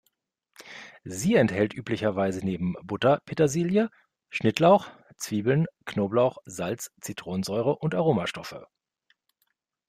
Sie enthält üblicherweise neben Butter Petersilie, Schnittlauch, Zwiebeln, Knoblauch, Salz, Zitronensäure und Aromastoffe.